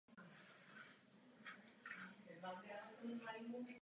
Bohužel, Evropská unie se zbavila své odpovědnosti za ochranu dětí.